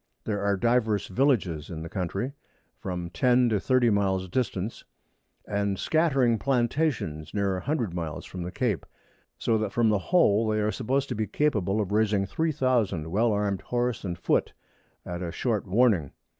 There are divers Villages in the Country, from 10 to 30 Miles distance, and scattering Plantations near a hundred Miles from the Cape; so that from the whole they are supposed to be capable of raising 3000 well armed Horse and Foot at a short warning.